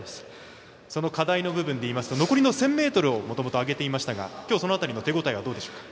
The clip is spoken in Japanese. その課題の部分でいいますと残りの１０００ｍをもともと挙げていましたがその辺りの手応えはいかがでしょうか。